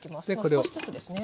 少しずつですね。